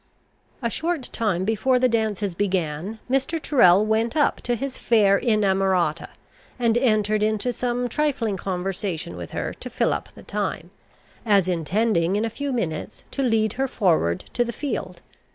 A short time before the dances began, Mr. Tyrrel went up to his fair inamorata, and entered into some trifling conversation with her to fill up the time, as intending in a few minutes to lead her forward to the field.